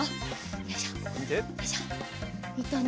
よいしょ。